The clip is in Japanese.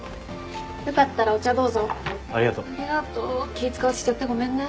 気使わせちゃってごめんね。